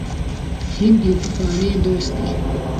هند یو پخوانی دوست دی.